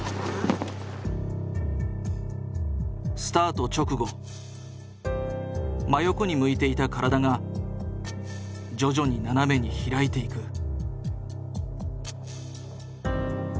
スタート直後真横に向いていた体が徐々に斜めに開いていく。